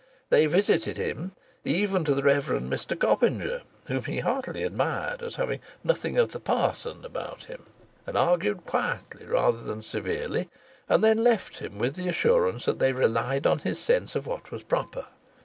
They visited him, even to the Rev. Mr Copinger (whom he heartily admired as having "nothing of the parson" about him), and argued quietly, rather severely, and then left him with the assurance that they relied on his sense of what was proper.